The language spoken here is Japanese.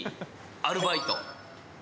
アルバイト？